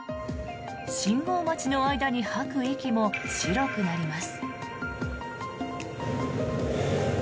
信号待ちの間に吐く息も白くなります。